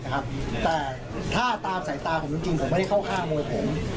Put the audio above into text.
แต่ถ้าตามสายตาผมจริงผมไม่ได้เข้าข้างมวยผม